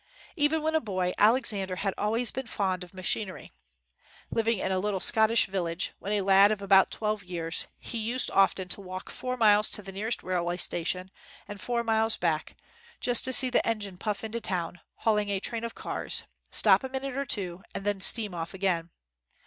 Even when a boy, Alexander had always been fond of machinery. Living in a little Scottish village, when a lad of about twelve years, he used often to walk four miles to the nearest railway station and four miles back just to see the engine puff into town hauling a train of cars, stop a minute or two, and then steam off again.